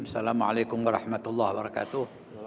assalamu'alaikum warahmatullah wabarakatuh